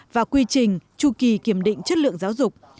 và quy trình tru kỳ kiểm định chất lượng giáo dục